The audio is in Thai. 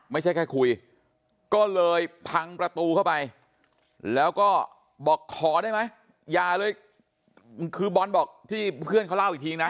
ไม่ใช่แค่คุยก็เลยพังประตูเข้าไปแล้วก็บอกขอได้ไหมอย่าเลยคือบอลบอกที่เพื่อนเขาเล่าอีกทีนะ